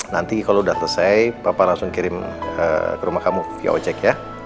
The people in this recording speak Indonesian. nanti kalau sudah selesai papa langsung kirim ke rumah kamu via ojek ya